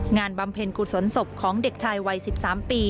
บำเพ็ญกุศลศพของเด็กชายวัย๑๓ปี